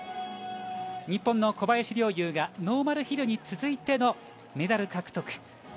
日本の小林陵侑がノーマルヒルに続いてのメダル獲得。